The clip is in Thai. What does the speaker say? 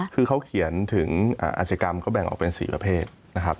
คือเขาเขียนถึงอาชีกรรมเขาแบ่งออกเป็น๔ประเภทนะครับ